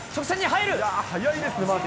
速いですね。